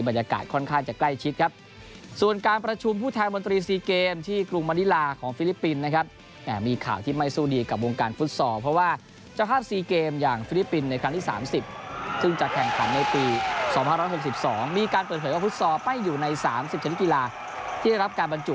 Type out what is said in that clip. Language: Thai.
มีการเปิดเผยว่าฟุตซอลใบ้อยู่ใน๓๐ชนิดกีฬาที่ได้รับการบรรจุ